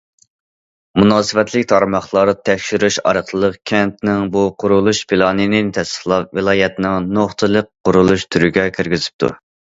مۇناسىۋەتلىك تارماقلار تەكشۈرۈش ئارقىلىق كەنتنىڭ بۇ قۇرۇلۇش پىلانىنى تەستىقلاپ، ۋىلايەتنىڭ نۇقتىلىق قۇرۇلۇش تۈرىگە كىرگۈزۈپتۇ.